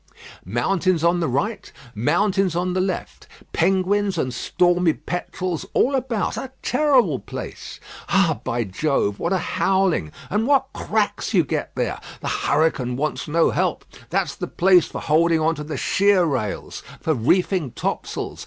Mountains on the right, mountains on the left. Penguins and stormy petrels all about. A terrible place. Ah! by Jove, what a howling and what cracks you get there! The hurricane wants no help. That's the place for holding on to the sheer rails; for reefing topsails.